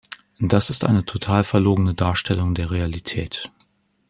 Das ist eine total verlogene Darstellung der Realität.